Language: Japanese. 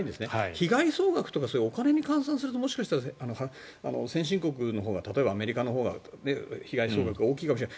被害総額とかお金に換算すると先進国のほうが例えばアメリカのほうが被害総額が大きいかもしれない。